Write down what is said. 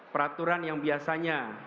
peraturan yang biasanya